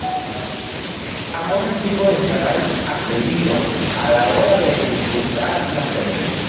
Ambos equipos estaban ascendidos a la hora de disputar la serie.